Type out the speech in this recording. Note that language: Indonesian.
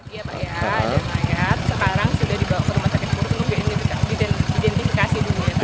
iya pak ya sekarang sudah dibawa ke rumah tkp untuk identifikasi dulu ya pak ya